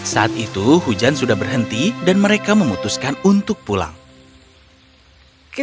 saat itu hujan sudah berhenti dan mereka memutuskan untuk pulang